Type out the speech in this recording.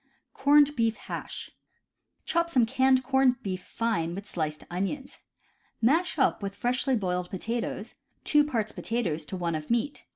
Corned Beef Hash. — Chop some canned corned beef fine with sliced onions. Mash up with freshly boiled potatoes, two parts potatoes to one of meat.